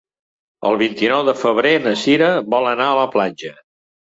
El vint-i-nou de febrer na Sira vol anar a la platja.